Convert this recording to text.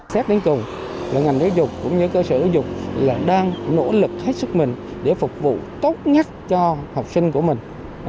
xét đến cùng ngành giáo dục cũng như cơ sở giáo dục là đang nỗ lực hết sức mình để phục vụ tốt nhất cho học sinh của mình